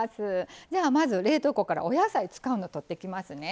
じゃあまず冷凍庫からお野菜使うの取ってきますね。